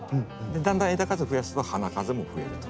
だんだん枝数増やすと花数も増えると。